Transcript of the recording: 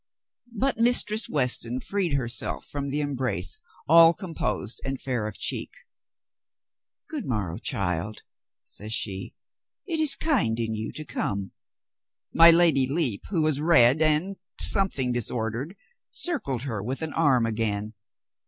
But Mistress Weston freed herself from the embrace all composed and fair of cheek. "Good morrow, child," says she. "It is kind in you to come." My Lady Lepe, who was red and something disordered, circled her with an arm again.